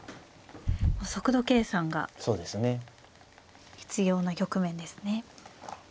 速度計算が必要な局面ですね。